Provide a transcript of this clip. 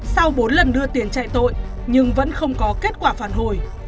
sau bốn lần đưa tiền chạy tội nhưng vẫn không có kết quả phản hồi